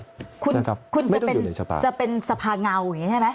คุณจะเป็นสภาเงาอย่างนี้ใช่ไหมครับไม่ต้องอยู่ในสภาคุณจะเป็นสภาเงาอย่างนี้ใช่ไหม